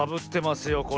これ。